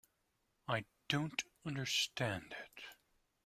I don't understand it.